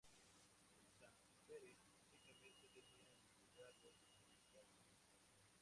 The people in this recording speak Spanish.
En Sant Pere únicamente tenían lugar los bautismos.